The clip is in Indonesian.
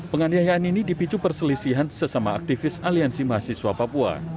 penganiayaan ini dipicu perselisihan sesama aktivis aliansi mahasiswa papua